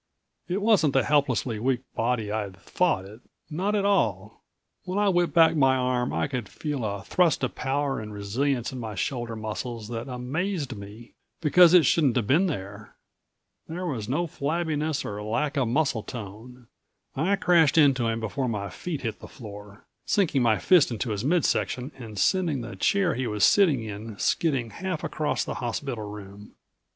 It wasn't the helplessly weak body I'd thought it. Not at all. When I whipped back my arm I could feel a thrust of power and resilience in my shoulder muscles that amazed me, because it shouldn't have been there. There was no flabbiness or lack of muscle tone. I crashed into him before my feet hit the floor, sinking my fist into his mid section and sending the chair he was sitting in skidding half across the hospital room.